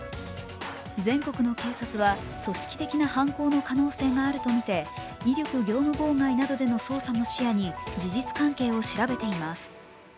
全国の警察は、組織的な犯行の可能性があるとみて威力業務妨害などでの捜査も視野に事実関係を調べています。